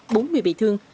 bốn mươi bị thương